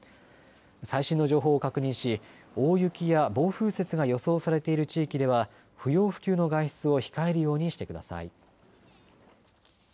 最新の情報を確認し大雪や暴風雪が予想されている地域では不要不急の外出を控えるようにしてください。